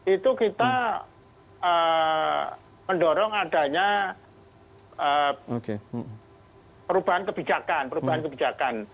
itu kita mendorong adanya perubahan kebijakan